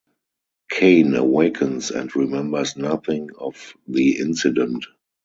Kane awakens and remembers nothing of the incident.